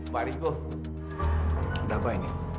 pak riko kenapa ini